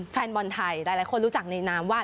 แฟนบอลไทยหลายคนรู้จักในนามว่า